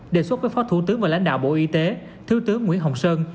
đề xuất với phó thủ tướng và lãnh đạo bộ y tế thiếu tướng nguyễn hồng sơn